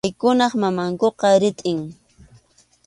Paykunap mamankuqa ritʼim.